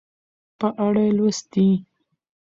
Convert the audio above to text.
په اړه لوستي